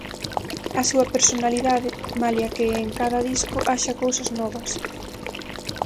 A súa personalidade, malia que en cada disco haxa cousas novas.